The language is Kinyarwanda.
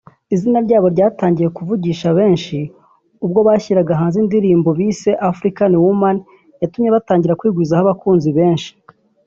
Izina ryabo ryatangiye kuvugisha benshi ubwo bashyiraga hanze indirimbo bise ‘African Woman’ yatumye batangira kwigwizaho abakunzi benshi